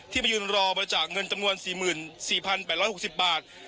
มายืนรอบริจาคเงินจำนวน๔๔๘๖๐บาท